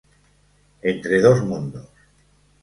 Entre dos mundos.